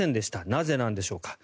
なぜなんでしょうか。